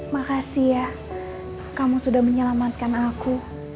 makasih ya kamu sudah menyelamatkan aku